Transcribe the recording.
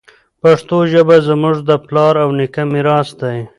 پښتو ژبه زموږ د پلار او نیکه میراث دی.